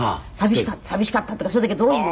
寂しかったっていうかそういう時はどういう。